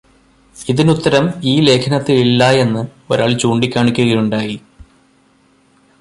ഇതിനുത്തരം ഈ ലേഖനത്തിൽ ഇല്ലായെന്ന് ഒരാൾ ചൂണ്ടിക്കാണിക്കുകയുണ്ടായി.